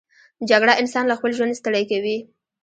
جګړه انسان له خپل ژوند ستړی کوي